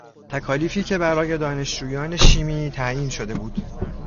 تکالیفی که برای دانشجویان شیمی تعیین شده بود